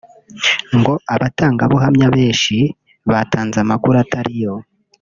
ngo abatangabuhamya benshi batanze amakuru atari yo